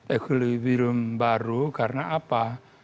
equilibrium baru karena apa